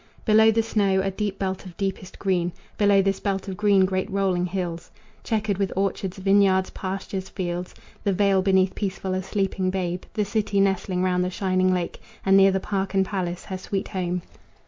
Below the snow a belt of deepest green; Below this belt of green great rolling hills, Checkered with orchards, vineyards, pastures, fields, The vale beneath peaceful as sleeping babe, The city nestling round the shining lake, And near the park and palace, her sweet home.